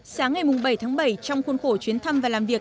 sáng ngày bảy tháng bảy trong khuôn khổ chuyến thăm và làm việc